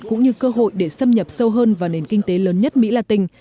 cũng như cơ hội để xâm nhập sâu hơn vào nền kinh tế lớn nhất mỹ latin